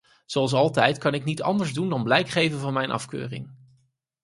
Zoals altijd kan ik niet anders doen dan blijk geven van mijn afkeuring.